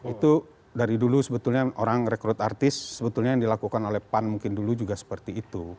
itu dari dulu sebetulnya orang rekrut artis sebetulnya yang dilakukan oleh pan mungkin dulu juga seperti itu